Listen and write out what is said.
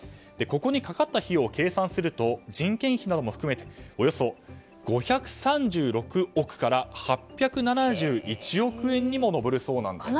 ここにかかった費用を計算すると人件費なども含めておよそ５３６億円から８７１億円にも上るそうなんです。